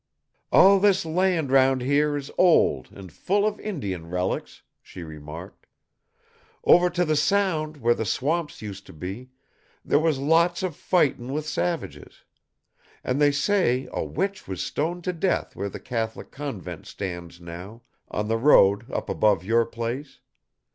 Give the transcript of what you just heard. "All this land 'round here is old and full of Indian relics," she remarked. "Over to the Sound where the swamps used to be, there was lots of fightin' with savages. An' they say a witch was stoned to death where the Catholic convent stands now, on the road up above your place.